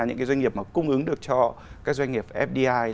những cái doanh nghiệp mà cung ứng được cho các doanh nghiệp fdi